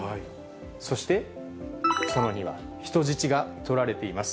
そしてその２は、人質が取られています。